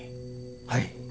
はい。